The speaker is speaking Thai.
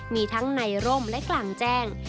มีทั้งในร่มและกลางแจ้ง